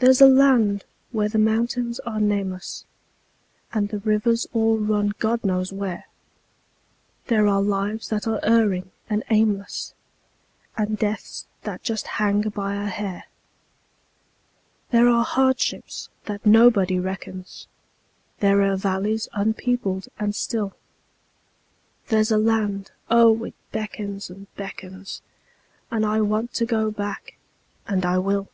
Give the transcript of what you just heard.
There's a land where the mountains are nameless, And the rivers all run God knows where; There are lives that are erring and aimless, And deaths that just hang by a hair; There are hardships that nobody reckons; There are valleys unpeopled and still; There's a land oh, it beckons and beckons, And I want to go back and I will.